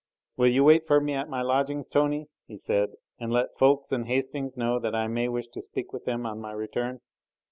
"Will you wait for me at my lodgings, Tony," he said, "and let Ffoulkes and Hastings know that I may wish to speak with them on my return?"